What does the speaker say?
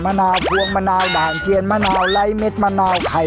มะนาวถวงมะนาวหนาหลายเทียนมะนาวไลค์เม็ดมะนาวไข่